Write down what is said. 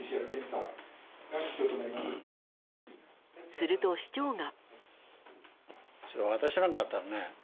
すると、市長が。